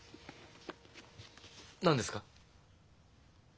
何ですか？